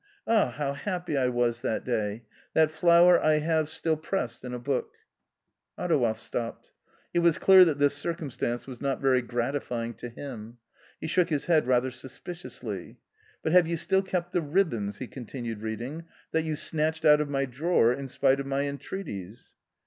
Ah, how happy I was that day ! That flower I have still pressed in a book." Adouev stopped. It was clear that this circumstance was . not very gratifying to him; he shook his head rather / suspiciously. " But have you still kept the ribbons [he continued read ing] that you snatched out of my drawer, in spite of my , entreaties